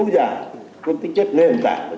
và có tính chất nguyên hành đảng